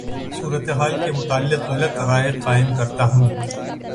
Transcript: صورتحال کے متعلق غلط رائے قائم کرتا ہوں